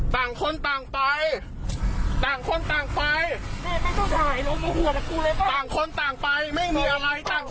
โฮ็อนักลงจริง